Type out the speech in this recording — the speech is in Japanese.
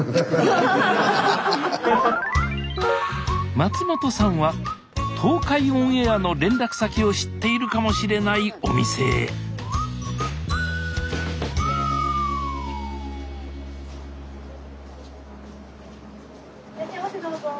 松本さんは東海オンエアの連絡先を知っているかもしれないお店へこんちは。